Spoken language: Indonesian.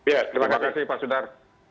ya terima kasih pak sudar